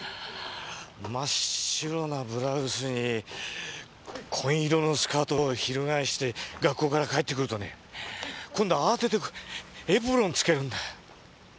真っ白なブラウスに紺色のスカートをひるがえして学校から帰ってくるとね今度は慌ててエプロンつけるんだ。